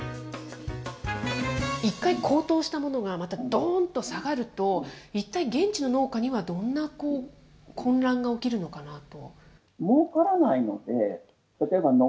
一回高騰したものが、またどーんと下がると、一体、現地の農家にはどんな混乱が起きるのかなと。